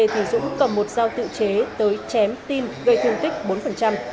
thì dũng cầm một dao tự chế tới chém tin gây thương tích bốn